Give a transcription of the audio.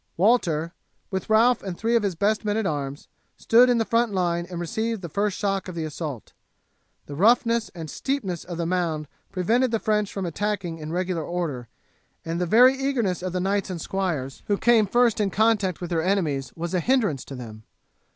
Walter, with Ralph and three of his best men at arms, stood in the front line and received the first shock of the assault. The roughness and steepness of the mound prevented the French from attacking in regular order, and the very eagerness of the knights and squires who came first in contact with their enemies was a hindrance to them.